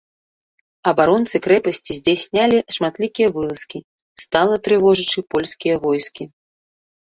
Абаронцы крэпасці здзяйснялі шматлікія вылазкі, стала трывожачы польскія войскі.